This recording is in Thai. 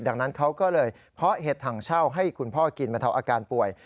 ดังนั้นเขาก็เลยเพาะเห็ดถังเช่าให้คุณพ่อกินบรรเทาอาการป่วย